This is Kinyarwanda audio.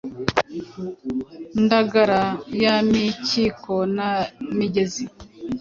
Ndagara ya Mikiko na Migezi,